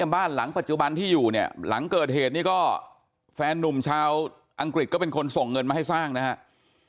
บ้านหลังปัจจุบันที่อยู่เนี่ยหลังเกิดเหตุนี้ก็แฟนนุ่มชาวอังกฤษก็เป็นคนส่งเงินมาให้สร้างนะครับ